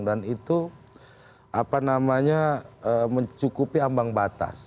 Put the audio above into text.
dan itu apa namanya mencukupi ambang batas